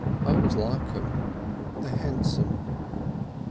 "I always like them. They're handsome."